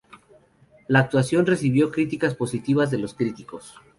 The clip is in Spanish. La actuación recibió críticas positivas de los críticos.